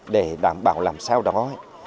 để đảm bảo làm sao đó